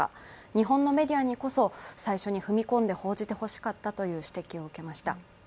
日本のメディアにこそ最初に踏み込んで報じてほしかったという指摘を受けました。